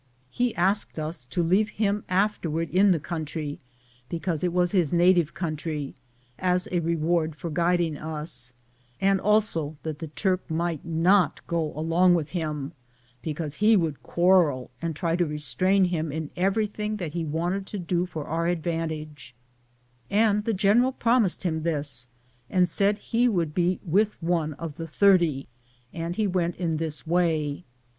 He asked ua to leave him after ward in that country, because it was his na tive country, as a reward for guiding us, and also, that the Turk might not go along with him, because he would quarrel and try to restrain him in everything that he wanted to do for our advantage; and the general promised him this, and said he would be with one of the thirty, and he went in this way.